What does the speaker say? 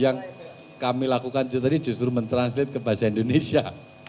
yang kami lakukan itu tadi justru mentranslate ke bahasa indonesia